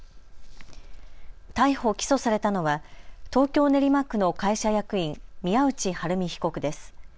逮捕・起訴されたのは東京練馬区の会社役員、宮内春美被告です。